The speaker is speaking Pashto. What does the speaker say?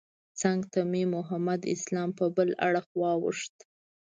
څنګ ته مې محمد اسلام په بل اړخ واوښت.